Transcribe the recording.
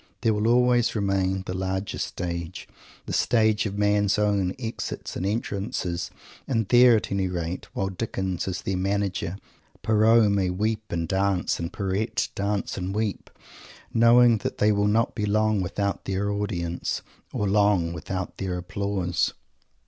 There will always remain the larger Stage, the stage of man's own Exits and Entrances; and there, at any rate, while Dickens is their "Manager," Pierrot may weep and dance, and Pierrette dance and weep, knowing that they will not be long without their audience, or long without their applause!